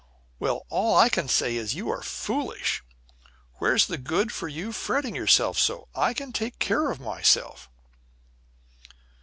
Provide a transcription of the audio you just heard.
"Well, all I can say is you are foolish. Where's the good for you fretting yourself so? I can take care of myself."